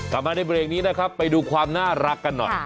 กลับมาในเบรกนี้นะครับไปดูความน่ารักกันหน่อย